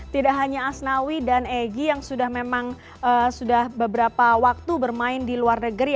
tidak hanya asnawi dan egy yang sudah memang sudah beberapa waktu bermain di luar negeri